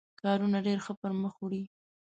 کارونه ډېر ښه پر مخ وړي.